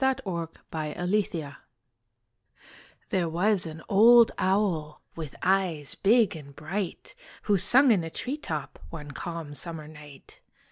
THE OWL AND THE CROW There was an old owl With eyes big and bright, Who sung in a tree top One calm summer night.